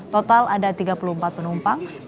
total ada tiga puluh empat penumpang